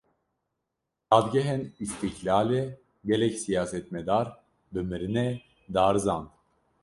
Dadgehên Îstîklalê, gelek siyasetmedar bi mirinê darizand